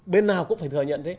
bên nào cũng phải thừa nhận thế